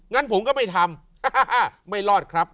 งั้นผมก็ไม่ทำไม่รอดครับ